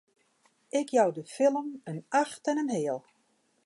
Ik jou de film in acht en in heal!